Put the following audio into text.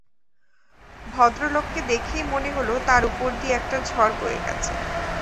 ভদ্রলোককে দেখেই মনে হল তাঁর ওপর দিয়ে একটা ঝড় বয়ে গেছে।